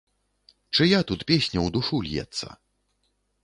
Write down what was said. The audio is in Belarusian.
Чыя тут песня ў душу льецца?